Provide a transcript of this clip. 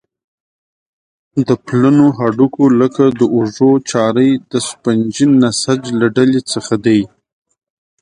د پلنو هډوکو لکه د اوږو چارۍ د سفنجي نسج له ډلې څخه دي.